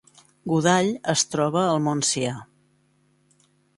Godall es troba al Montsià